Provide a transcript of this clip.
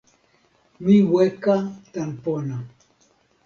mi weka tan pona.